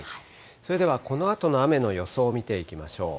それではこのあとの雨の予想を見ていきましょう。